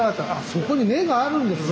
そこに目があるんですね。